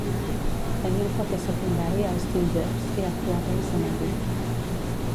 Tenia un paper secundari a "Stingers" i ha actuat a l'escenari.